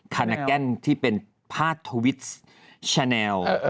คานาแกนที่เป็นพาดทวิสชาแนล